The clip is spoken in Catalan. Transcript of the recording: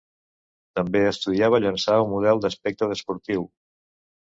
També estudiava llançar un model d'aspecte esportiu.